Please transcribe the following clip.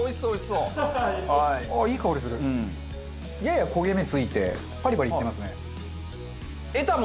うん。やや焦げ目ついてパリパリいってますね。